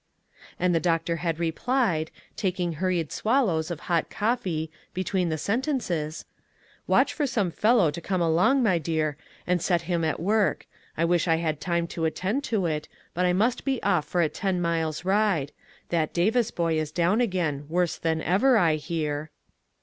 And the doctor had replied, taking hur ried swallows of hot coffee between the sen tences : "Watch for some fellow to come along, my dear, and set him at work. I wish I had time to attend to it ; but I must be off for a ten miles ride ; that Davis boy is down again, worse than ever, I hear."